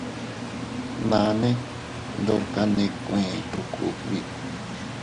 Mane ndorka nee kueeto kugbi.